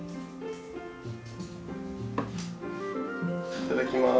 いただきます。